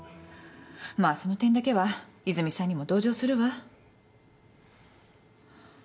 まあその点だけは泉さんにも同情するわ。